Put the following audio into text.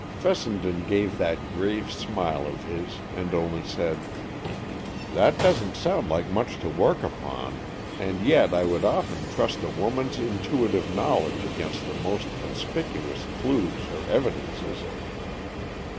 Fessenden gave that grave smile of his and only said, "That doesn't sound like much to work upon, and yet I would often trust a woman's intuitive knowledge against the most conspicuous clues or evidences."